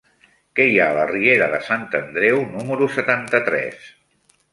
Què hi ha a la riera de Sant Andreu número setanta-tres?